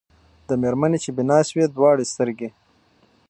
د مېرمني چي بینا سوې دواړي سترګي